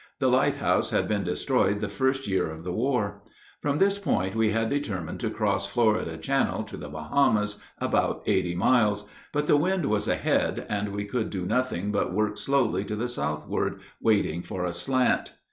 The lighthouse had been destroyed the first year of the war. From this point we had determined to cross Florida Channel to the Bahamas, about eighty miles; but the wind was ahead, and we could do nothing but work slowly to the southward, waiting for a slant.